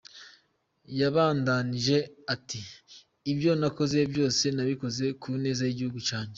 Yabandanije ati: "Ivyo nakoze vyose, nabikoze ku neza y'igihugu canje.